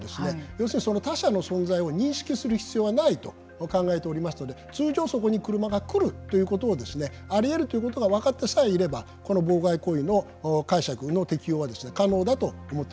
要するにその他車の存在を認識する必要はないと考えておりますので通常そこに車が来るということをですねありえるということが分かってさえいればこの妨害行為の解釈の適用はですね可能だと思っております。